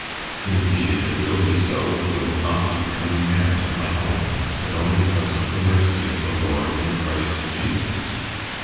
"Indeed, if it will be so, it will not be for any merit of my own, but only because of the mercy of the Lord in Christ Jesus."